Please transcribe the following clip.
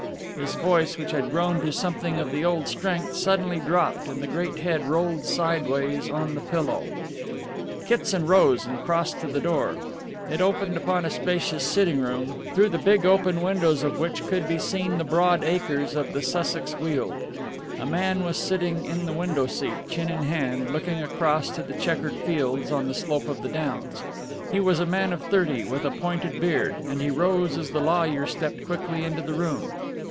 His voice, which had grown to something of the old strength, suddenly dropped and the great head rolled sideways on the pillow. Kitson rose and crossed to the door. It opened upon a spacious sitting room, through the big open windows of which could be seen the broad acres of the Sussex Weald. A man was sitting in the window seat, chin in hand, looking across to the chequered fields on the slope of the downs. He was a man of thirty, with a pointed beard, and he rose as the lawyer stepped quickly into the room.